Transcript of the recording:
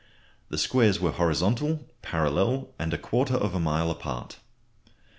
The squares were horizontal, parallel, and a quarter of a mile apart.